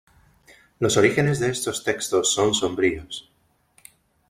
Los orígenes de estos textos son sombríos.